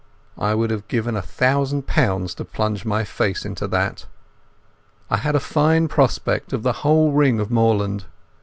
I would have given a thousand pounds to plunge my face into that. I had a fine prospect of the whole ring of moorland.